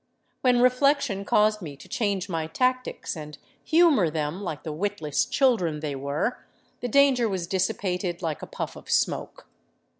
When reflection caused me to change my tactics and humor them like the witless children they were, the danger was dissipated like a puflf of smoke.